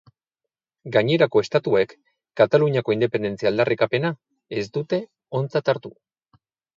Gainerako estatuek Kataluniako independentzia aldarrikapena ez dute ontzat hartu.